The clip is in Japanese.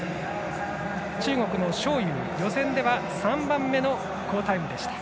中国の章勇、予選では３番目の好タイムでした。